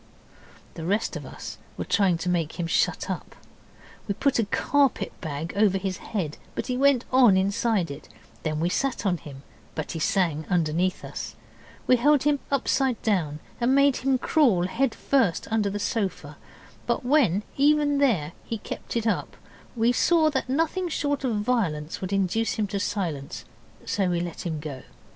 The rest of us were trying to make him shut up. We put a carpet bag over his head, but he went on inside it; and then we sat on him, but he sang under us; we held him upside down and made him crawl head first under the sofa, but when, even there, he kept it up, we saw that nothing short of violence would induce him to silence, so we let him go.